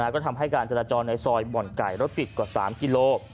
ก็ทำให้การจราจรในซอยบ่อนไก่รถติดกว่า๓กิโล